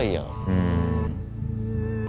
うん。